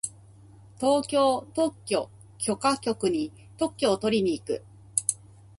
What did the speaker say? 東京特許許可局に特許をとりに行く。